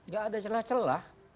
nggak ada celah celah